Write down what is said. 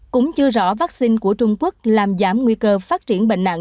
cũng chưa rõ vaccine của trung quốc làm giảm nguy cơ phát triển bệnh nặng